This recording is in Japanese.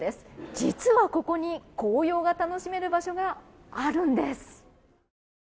実は、ここに紅葉が楽しめる場所があるんです。